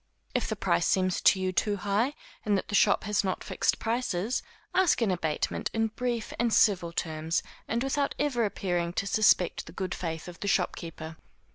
If the price seems to you too high, and that the shop has not fixed prices, ask an abatement in brief and civil terms, and without ever appearing to suspect the good faith of the shopkeeper.